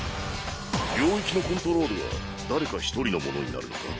領域のコントロールは誰か１人のものになるのか？